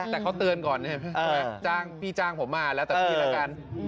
แต่เขาเตือนก่อนจ้างพี่จ้างผมมาแล้วแต่พี่แล้วกัน